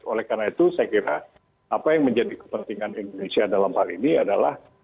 oleh karena itu saya kira apa yang menjadi kepentingan indonesia dalam hal ini adalah